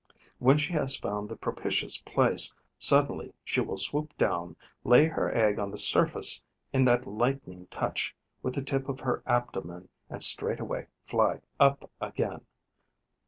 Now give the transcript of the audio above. When she has found the propitious place, suddenly she will swoop down, lay her egg on the surface in that lightning touch with the tip of her abdomen and straightway fly up again.